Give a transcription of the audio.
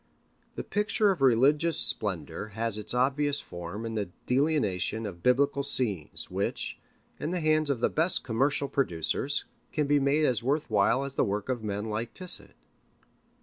The picture of Religious Splendor has its obvious form in the delineation of Biblical scenes, which, in the hands of the best commercial producers, can be made as worth while as the work of men like Tissot.